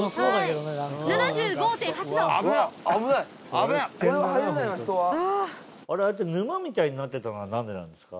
あれああやって沼みたいになってたのはなぜなんですか？